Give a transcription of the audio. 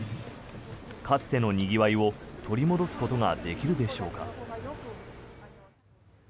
かつてのにぎわいを取り戻すことができるでしょうか。